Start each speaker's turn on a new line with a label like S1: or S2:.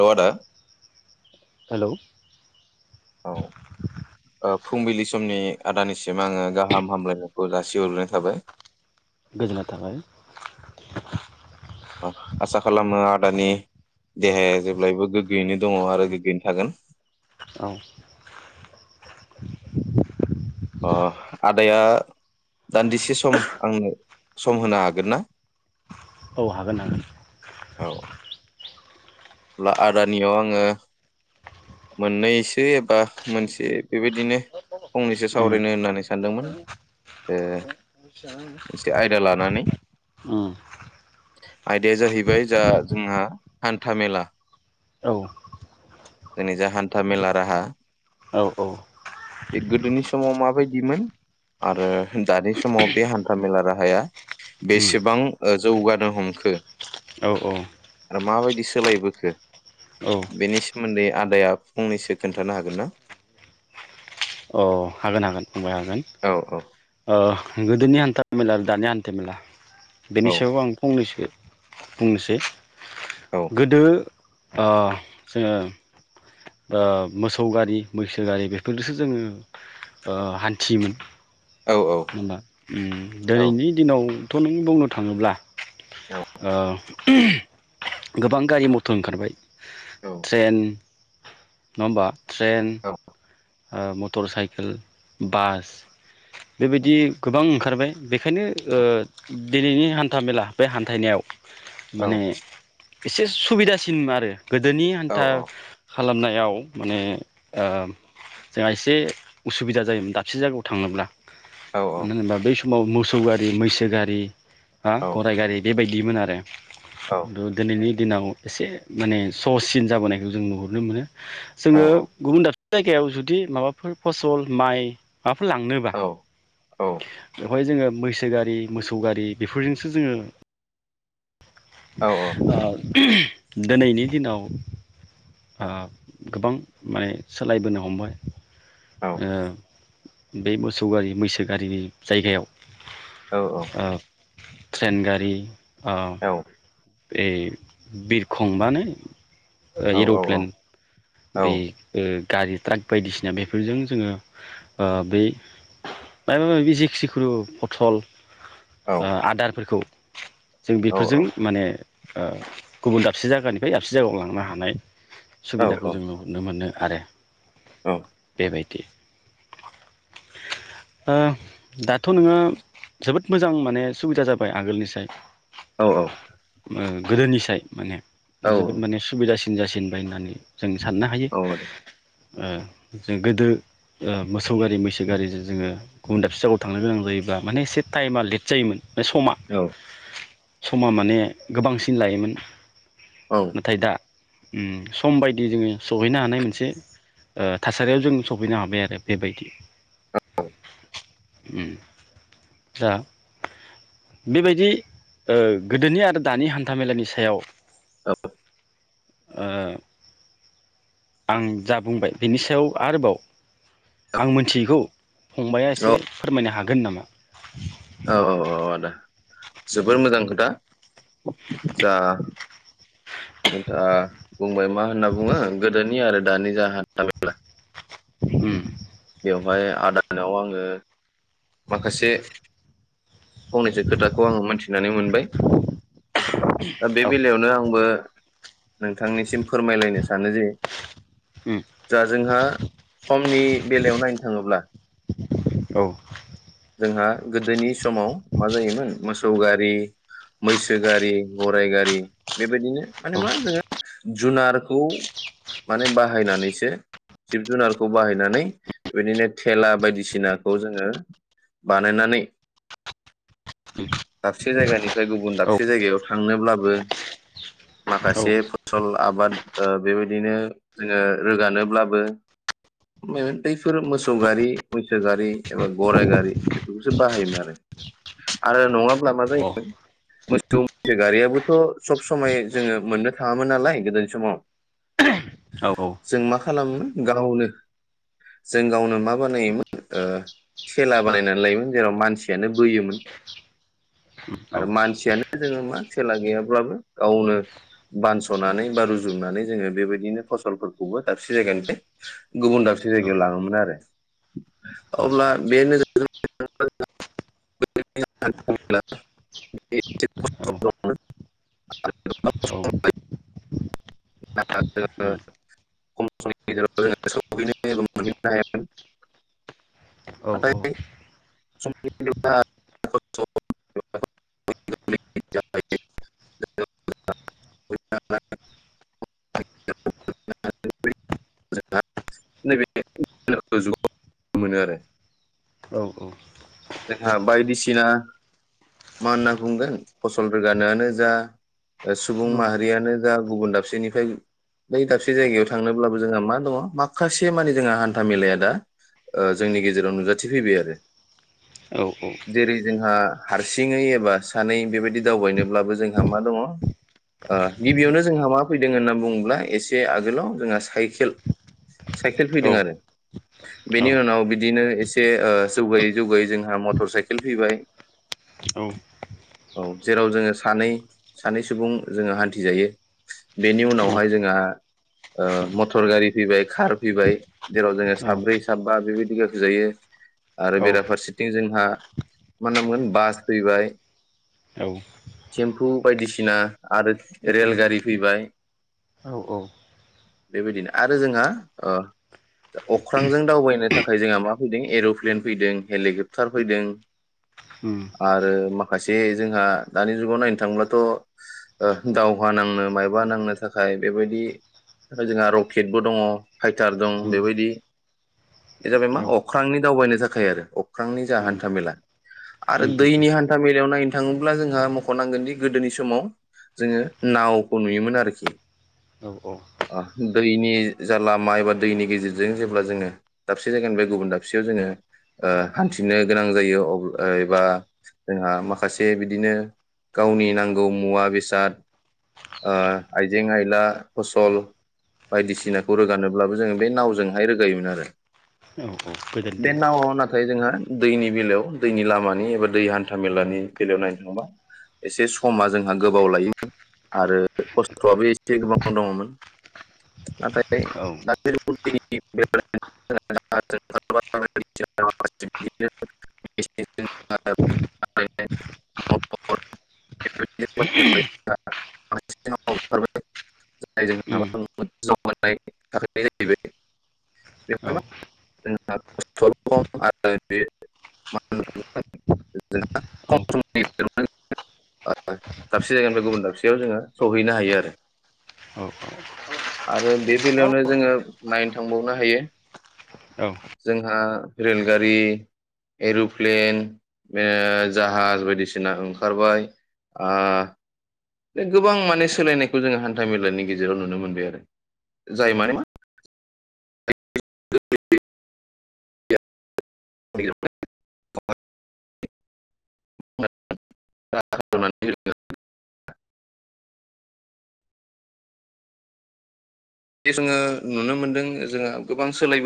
S1: अ आदा
S2: [unintelligible]
S1: औ ओ फुंबिलि समनि आदानिसिम आङो गाहाम हामलायनायखौ जासिहरग्रोनाय थाबाय।
S2: गोजोननाय थाबाय।
S1: अ आसा खालामो आदानि देहाया जेब्लायबो गोग्गोयैनो दङ आरो गोग्गोयैनो थागोन।
S2: औ
S1: अह आदाया दान्दिसे सम आंनो सम होनो हागोन ना?
S2: औ हागोन हागोन
S1: औ अब्ला आदानियाव आङो मोननैसो एबा मोनसे बेबायदिनो फंनैसो
S2: उम
S1: सावरायनो होननानै सानदोंमोन ओ मोनसे आयदा लानानै
S2: उम
S1: आयदाया जाहैबाय जा जोंहा हान्था मेला।
S2: औ
S1: जोंनि जा हान्था मेला राहा
S2: औ औ
S1: बे गोदोनि समाव माबायदिमोन आरो दानि समाव बे हान्थामेला राहाया
S2: उम
S1: बेसेबां ओ जौगानो हमखो
S2: औ औ
S1: आरो माबायदि सोलायबोखो
S2: औ
S1: बेनि सोमोन्दै आदाया फंनैसो खोन्थानो हागोन ना? [inaudible]
S2: नागोन बाय हागोन
S1: औ
S2: अह गोदोनि हान्था मेला दानि हान्था मेला। बेनि
S1: औ
S2: सायाव आं फंनैसो बुंनोसै
S1: औ
S2: गोदो अह जोङो अ मोसौ गारि मैसो गारि बेफोरदोसो जोङो अ हान्थियोमोन।
S1: औ
S2: होमबा उम
S1: औ
S2: दिनैनि दिनाव नों बुंनो थाङोब्ला ओ गोबां गारि मथर ओंखारबाय।
S1: औ
S2: ट्रेन नङा ओमबा। ट्रेन ओ मटर साइकेल बास बेबायदि गोबां खारबाय बे खायनो ओ दिनैनि हान्थामेला बे हान्थाइनायाव
S1: औ
S2: माने एसे सुबिदासिन आरो। गोदोनि
S1: औ
S2: हान्था
S1: औ
S2: खालामनायाव माने ओ। जोंहा एसे उसुबिदा जायोमोन दाबसे जायगायाव थाङोब्ला। मानो होनोबा बै समाव मोसौ खौ गारि मैसो गारि हा गराय गारि बेबायदिमोन आरो। द दोनैनि दिनाव एसे माने सहससिन जाबोनायखौ जों नुहुरनो मोनो। जोङो गुबुन दा जायगायाव जुदि माबाफोर फसल माइ माबाफोर लांनोबा बेवहाय जोङो मैसो गारि मोसौ गारि बेफोरजोंसो जोङो अ। दिनैनि दिनाव ओ गोबां माने सोलायबोनो हमबाय। ओ बे मोसौ गारि मैसो गारिनि जायगायाव।
S1: औ औ।
S2: ओ ट्रेन गारि। ओ ए बिरखंबानो ओ एरप्लेन बे ओ ओ गारि ट्राक बायदिसिना बेफोरजों जोङो ओ बै मायबा मायबि जेखि जेखुनु पथल ओ आदारफोरखौ जों बेफोरजों माने ओ गुबुन दाबसे जायगानिफ्राय दाबसे जायगायाव लांनो हानाय सुबिदा खौ जोङो नुहुरनो मोनो आरो
S1: औ
S2: बायदि ओ दाथ नोङो जोबोद मोजां माने सुबिदा जाबाय आगोलनिसाय
S1: औ औ
S2: ओ गोदोनिसाय माने जोबोद माने सुबिदासि जासिनबाय होननानै जों साननो हायो ओ जों गोदो ओ मोसौ गारि मैसो गारिजों जोङो गुबुन दाबसे जगायाव थांनो गोनां जायोबा माने एसे टायेमा लेट जायोमोन माने समा
S1: औ
S2: समा माने गोबांसिन लायोमोन
S1: औ
S2: नाथाय दा उम सम बाय दि जोङो सहैनो हानाय मोनसे ओ थासारियाव जों सफैनो हाबाय आरो बेबायदि उम दा बेबायदि ओ गोदोनि आरो दानि हान्थामेलानि सायाव
S1: औ
S2: ओ आं जा बुंबाय बिनि सायाव आरोबाव आं मिथियैखौ फंबाया
S1: औ
S2: एसे फोरमायनो हागो गोन नामा [unintelligible]
S1: औ औ औ आदा जोबोर मोजां खोथा जा नोंथाङा बुंबाय मा होनना बुङो गोदोनि आरो दानि जा हान्था मेला
S2: होम
S1: बेवहाय आदानाव आङो माखासे फंनैसो खोथाखौ आं मोनथिनानै मोनबाय। दा बे
S2: औ
S1: बेलायावनो आंबो नोंथांनिसिम फोरमायलायनो सानो जे
S2: उम
S1: जा जोंहा समनि बेलायाव नायनो थाङोब्ला
S2: औ
S1: जोंहा गोदोनि समाव मा जायोमोन मोसौ गा रि, मैसो गारि, गाराइ गारि बेबायदिनो माने मा
S2: औ
S1: जोङो जुनारखौ माने बाहायनानैसो जिब जुनारखौ बाहायनानै बेबायदिनो थेला बायदिसिनाखौ जोङो बानायनानै दाबसे जायगानिफ्राय गुबुन दाबसे जायगायाव थांनोब्लाबो [inaudible]
S2: औ
S1: माखासे फसल आबाद ओ बेबायदिनो जोङो रोगानोब्लाबो मे बैफोर मोसौ गारि मैसो गारि एबा गराइ गारि बेफोरखौसो बाहायोमोन आरो आरो नङाब्ला मा
S2: औ
S1: जायोमोन मोसौ मैसो गारियाबोथ' सब समाय जोङो मोननो थाङामोन नालाय गोदोनि समाव
S2: औ औ।
S1: जों मा खालामो गावनो जों गावनो मा बानायोमोन ओ थेला बानायनानै लायोमोन जेराव मानसियानो बोयोमोन आरो मानसियानो जोङो मा थेला गैयाब्लाबो गावनो बानस'नानै बा रुजुननानै जोङो बेबायदिनो फसलफोरखौबो दाबसे जायगानिफ्राय गुबुन दाबसे जायगायाव लाङोमोन आरो अब्ला बे [unintelligible]
S2: औ औ
S1: [unintelligible] [unintelligible] मोनो आरो।
S2: औ उम
S1: जोंहा बायदिसिना मा होनना बुंगोन फसल रोगानोआ नो जा सुबुं माहारियानो जा गुबुन दाबसेनिफ्राय बै दाबसे जायगायाव थांनोब्लाबो जोंहा मा दङ। माखासे मानि जोंहा हान्था मेलाया दा ओ जोंनि गेजेराव नुजाथिफैबाय आरो। जेरै जोंहा हारसिङै एबा सानै बेबायदि दावबायनोब्लाबो जोंहा मा दङ' ओ गिबियावनो जोंहा मा फैदों होनना बुङोब्ला एसे आगोलाव जोंहा साइकेल साइकेल फैदों आरो बेनि उनाव बिदिनो एसे ओ जौगायो जौगायै जोंहा मटर साइकेल फैबाय औ जेराव जोङो सानै सानै सुबुं जोङो हान्थि जायो। बेनि उनावहाय जोंहा ओ मथर गारि फैबाय कार फैबाय जेराव जोङो साब्रै साबा बेबायदि गाखो जायो आरो बेराफा फारसेथिं जोंहा मा होनना बुंगोन बास फैबाय थेम्फु बायदिसिना आरो रेलगारि फैबाय बेबायदिनो आरो जोंहा ओ अख्रांजों दावबायनो थाखाय जोंहा मा फैदों एर'प्लेन फैदों। हेलिकप्टार फैदों आरो माखासे जोंहा दानि जुगाव नायनो थाङोब्लाथ' दावहा नांनो मायबा नांनो थाखाय बेबायदि जोंहा रकेटबो दङ' फाइटार दं
S2: उम
S1: बेबायदि बे जाबाय मा
S2: औ
S1: अख्रांनि दावबायनो थाखाय आरो। अख्रांनि जा
S2: उम
S1: हान्था मेला आरो
S2: उम उम
S1: दैनि हान्था मेलायाव नायनो थाङोब्ला जोंहा मख'नांगोनदि गोदोनि समाव जोङो नावखौ नुयोमोन आरोखि।
S2: औ
S1: ओ दैनि जालामा एबा दैनि गेजेरजों जेब्ला जोङो दाबसे जायगानिफ्राय गुबुन दाबसेयाव जोङो ओ हान्थिनो गोनां जायो अब एबा जोंहा माखासे बिदिनो गावनि नांगौ मुवा बेसाद ओ आयजें आयला फसल बायदिसिनाखौ रोगानोब्लाबो जोङो बे नावजोंहाय रोगायोमोन आरो।
S2: औ औ गोदोनि
S1: बे
S2: दिनाव।
S1: नावआव नाथाय जोंहा दैनि बेलायाव दैनि लामानि एबा दै हान्था मेलानि बेलायाव नायनो थाङोबा एसे समा जोंहा गोबाव लायोमोन आरो खस्थ'आबो एसे गोबां दङ'मोन नाथाय
S2: औ
S1: [unintelligible]
S2: उम औ
S1: [unintelligible] खम आरो [unintelligible]
S2: औ
S1: दाबसे जायगानिफ्राय गुबुन दाबसेयाव जोङो सहैनो हायो आरो।
S2: औ
S1: आरो बे बेलायावनो जोङो नायनो थांबावनो हायो
S2: औ
S1: जोंहा रेलगारि एरुप्लेन बे जाहाज बायदिसिना ओंखारबाय। ओ बे गोबां माने सोलायनायखौ जोङो हान्था मेलानि गेजेराव नुनो मोनबाय आरो जाय माने मा [unintelligible] [unintelligible] दि जोङो नुनो मोनदों जोंहा गोबां सोलायबो